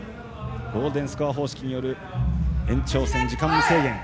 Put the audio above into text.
ゴールデンスコア方式による延長戦、時間無制限。